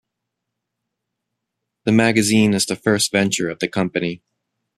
The magazine is the first venture of the company.